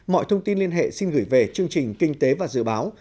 mọi thông tin liên hệ xin gửi về chương trình kinh tế và dự báo